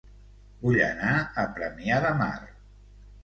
Vull anar a Premià de Mar